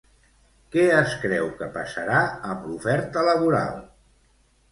Què es creu que passarà amb l'oferta laboral?